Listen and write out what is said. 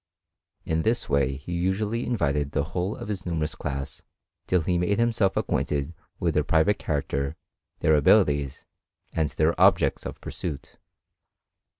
In this way he usually invited the whole of his numerous class till he made himself acquainted with their pri vate character, their abilities, and their objects of pur suit.